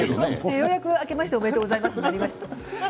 ようやく、明けましておめでとうございますになりました。